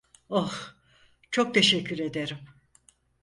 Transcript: Oh, çok teşekkür ederim.